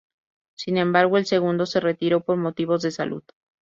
Sin embargo, el segundo se retiró por motivos de salud.